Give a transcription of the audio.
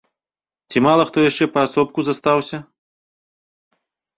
Ці мала хто яшчэ на паасобку застаўся?